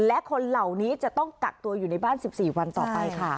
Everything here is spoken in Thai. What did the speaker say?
และคนเหล่านี้จะต้องกักตัวอยู่ในบ้าน๑๔วันต่อไปค่ะ